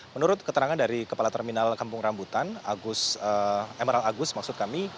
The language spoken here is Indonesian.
menurut keterangan dari kepala terminal kampung rambutan agus emerald agus maksud kami